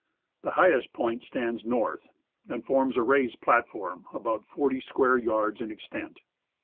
The highest point stands north, and forms a raised platform about 40 square yards in extent.